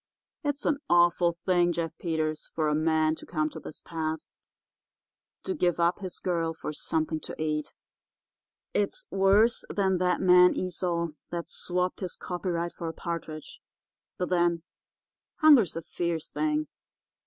It's an awful thing, Jeff Peters, for a man to come to this pass—to give up his girl for something to eat—it's worse than that man Esau, that swapped his copyright for a partridge— but then, hunger's a fierce thing.